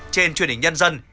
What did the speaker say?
trên truyền hình nhân dân